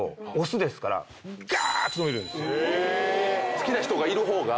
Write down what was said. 好きな人がいる方が？